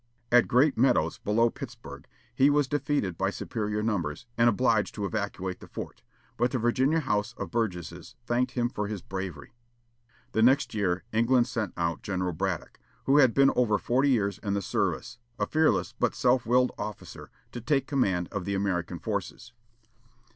At Great Meadows, below Pittsburg, he was defeated by superior numbers, and obliged to evacuate the fort, but the Virginia House of Burgesses thanked him for his bravery. The next year, England sent out General Braddock, who had been over forty years in the service, a fearless but self willed officer, to take command of the American forces.